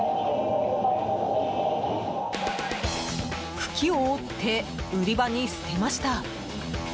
茎を折って、売り場に捨てました。